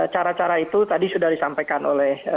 cara cara itu tadi sudah disampaikan oleh